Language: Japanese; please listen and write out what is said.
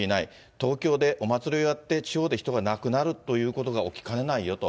東京でお祭りをやって、地方で人が亡くなるということが起きかねないよと。